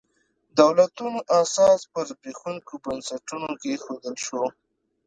دولتونو اساس پر زبېښونکو بنسټونو کېښودل شو.